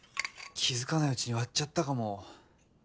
気づかないうちに割っちゃったかも。